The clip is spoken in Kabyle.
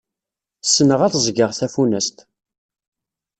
Ssneɣ ad ẓẓgeɣ tafunast.